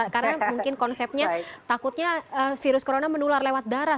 karena mungkin konsepnya takutnya virus corona menular lewat darah